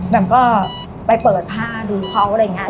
แบบก็ไปเปิดผ้าดูเขาอะไรเงี้ย